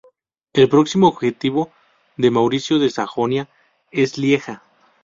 El próximo objetivo de Mauricio de Sajonia es Lieja.